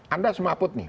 anda semaput nih